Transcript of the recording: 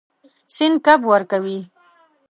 سیند کب ورکوي.